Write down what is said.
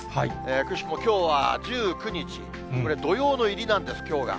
くしくもきょうは１９日、これ、土用の入りなんです、きょうが。